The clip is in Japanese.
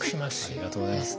ありがとうございます。